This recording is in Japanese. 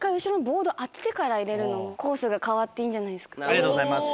ありがとうございます。